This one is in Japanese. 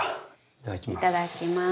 いただきます。